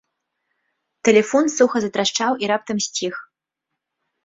Тэлефон суха затрашчаў і раптам сціх.